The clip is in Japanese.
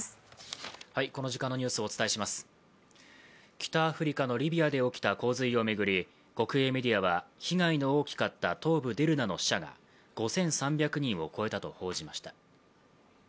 北アフリカのリビアで起きた洪水を巡り国営メディアは被害の大きかった東部デルナの死者が５３００人を超えたと報じました。